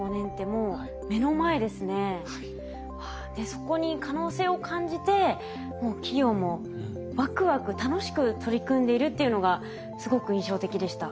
そこに可能性を感じてもう企業もワクワク楽しく取り組んでいるっていうのがすごく印象的でした。